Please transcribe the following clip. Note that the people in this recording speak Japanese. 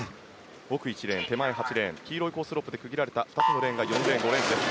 奥１レーン手前８レーン黄色いコースロープで区切られた２つのコースが４レーン、５レーンです。